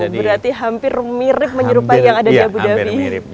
berarti hampir mirip menyerupai yang ada di abu dhabi ini